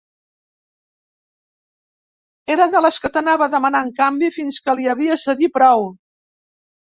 Era de les que t'anava demanant canvi fins que li havies de dir prou.